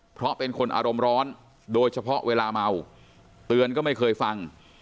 เพราะเป็นคนอารมณ์ร้อนโดยเฉพาะเวลาเมาเตือนก็ไม่เคยฟัง